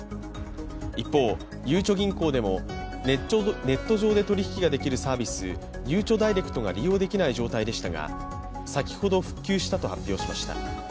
一方、ゆうちょ銀行でもネット上で取り引きができるサービス、ゆうちょダイレクトが利用できない状態でしたが先ほど、復旧したと発表しました。